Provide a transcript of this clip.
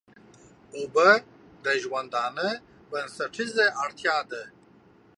اوبه د ژوندانه بنسټيزه اړتيا ده.